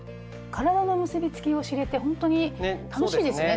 体の結び付きを知れてほんとに楽しいですね